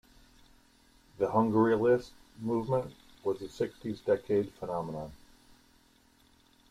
The Hungryalist movement was a sixties decade phenomenon.